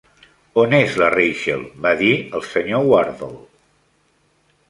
""On és la Rachael?", va dir el Sr. Wardle".